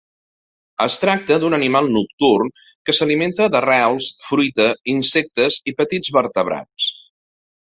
Es tracta d'un animal nocturn que s'alimenta d'arrels, fruita, insectes i petits vertebrats.